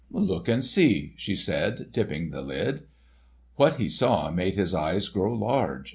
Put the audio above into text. "Look and see," she said, tipping the lid. What he saw made his eyes grow large.